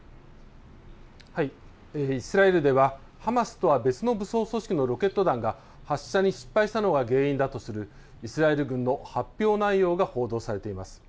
イスラエルではハマスとは別の武装組織のロケット弾が発射に失敗したのが原因だとするイスラエル軍の発表内容が報道されています。